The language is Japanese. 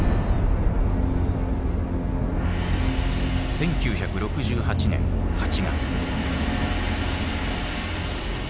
１９６８年８月。